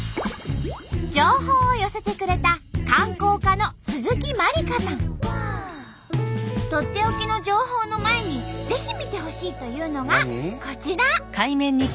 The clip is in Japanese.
情報を寄せてくれたとっておきの情報の前にぜひ見てほしいというのがこちら。